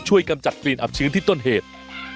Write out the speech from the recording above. กำจัดกลิ่นอับชื้นที่ต้นเหตุ